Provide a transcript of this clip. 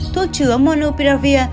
thuốc chứa monopiravir